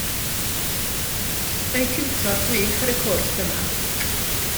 Mae tiwtor gwych ar y cwrs yma.